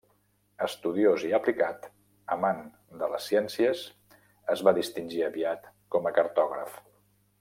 Estudiós i aplicat, amant de les ciències, es va distingir aviat com cartògraf.